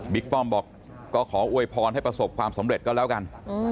ป้อมบอกก็ขออวยพรให้ประสบความสำเร็จก็แล้วกัน